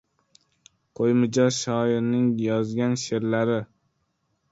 Qo‘ymijoz shoirning yozgan she’rlari